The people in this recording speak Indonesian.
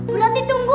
bu rati tunggu